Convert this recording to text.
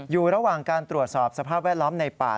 อยู่ระหว่างการตรวจสอบสภาพแวดล้อมในป่า